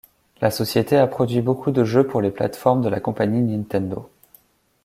La société a produit beaucoup de jeux pour les plates-formes de la compagnie Nintendo.